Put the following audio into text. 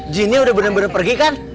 jinnya udah bener bener pergi kan